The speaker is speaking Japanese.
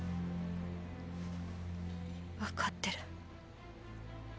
わかってる。